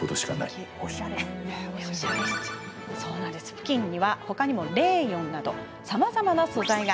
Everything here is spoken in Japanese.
ふきんには他にもレーヨンなどさまざまな素材が。